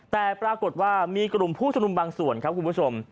แต่ปรากฏว่ามีกลุ่มผู้ชมนุมบางส่วนครับคุณผู้ชม